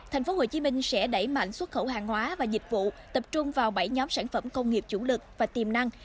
tp hcm sẽ đẩy mạnh xuất khẩu hàng hóa và dịch vụ tập trung vào bảy nhóm sản phẩm công nghiệp chủ lực và tiềm năng